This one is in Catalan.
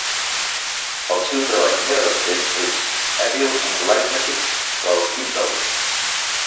El seu treball més recent és Evil Unlimited pel Kindle.